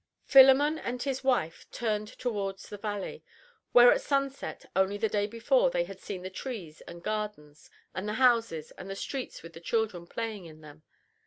Philemon and his wife turned towards the valley, where at sunset only the day before they had seen the trees and gardens, and the houses, and the streets with the children playing in them.